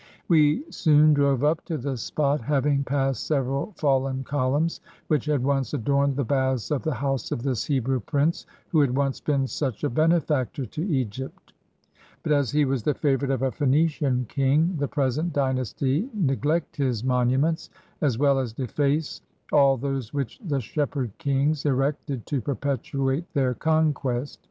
We soon drove up to the spot, having passed several fallen columns, which had once adorned the baths of the house of this Hebrew prince, who had once been such a benefactor to Egypt; but, as he was the favorite of a Phoenician king, the present dynasty neglect his monu ments, as well as deface all those which the Shepherd Kings erected to perpetuate their conquest.